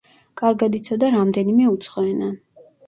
კარგად იცოდა რამდენიმე უცხო ენა.